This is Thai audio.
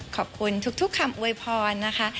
ขอบคุณทุกคำอวยพรนะคะ